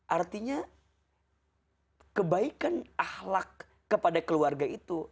artinya kebaikan ahlak kepada keluarga itu